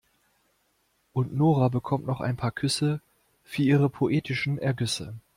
Und Nora bekommt noch ein paar Küsse für ihre poetischen Ergüsse.